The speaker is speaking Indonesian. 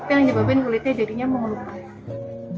yang menyebabkan kulitnya jadinya mengelupas